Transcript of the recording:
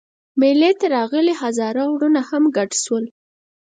مېلې ته راغلي هزاره وروڼه هم ګډ شول.